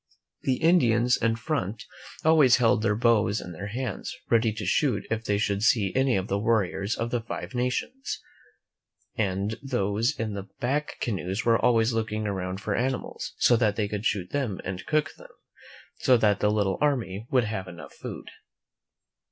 The Indians in front always held their bows in their hands, ready to shoot if they should see any of the warriors of the Five Nations, and those in the back canoes were always looking around for animals, so that they could shoot them and cook them, so that the little army would have enough food.